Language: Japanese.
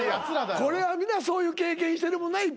これは皆そういう経験してるもんな。